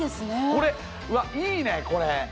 これうわっいいねこれ。